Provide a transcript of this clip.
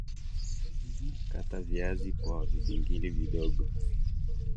Kata viazi kwa vipingili ndogo